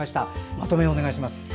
まとめをお願いします。